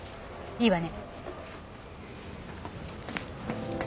いいわね。